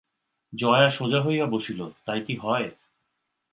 জয়া সোজা হইয়া বসিল, তাই কি হয়?